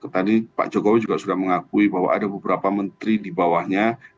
tadi pak jokowi juga sudah mengakui bahwa ada beberapa menteri di bawahnya